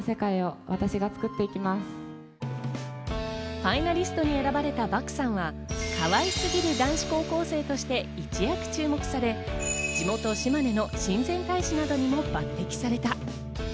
ファイナリストに選ばれた漠さんは、かわいすぎる男子高校生として一躍注目され、地元・島根の親善大使などにも抜擢された。